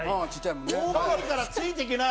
大きいから、ついていけない？